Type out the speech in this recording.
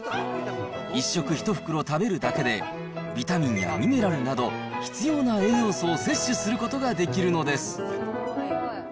１食１袋食べるだけで、ビタミンやミネラルなど、必要な栄養素を摂取することができるのです。